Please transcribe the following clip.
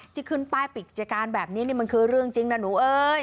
ที่ขึ้นป้ายปิดกิจการแบบนี้นี่มันคือเรื่องจริงนะหนูเอ้ย